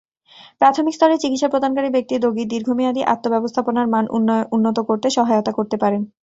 প্রাথমিক স্তরের চিকিৎসা প্রদানকারী ব্যক্তি রোগীর দীর্ঘমেয়াদী আত্ম-ব্যবস্থাপনার মান উন্নত করতে সহায়তা করতে পারেন।